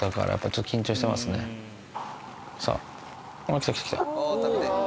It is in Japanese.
来た来た来た。